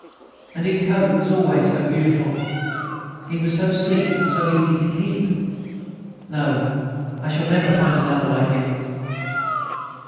And his coat was always so beautiful; he was so sleek and so easy to keep.... No, I shall never find another like him."